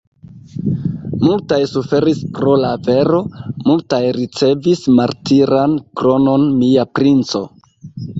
Multaj suferis pro la vero, multaj ricevis martiran kronon, mia princo!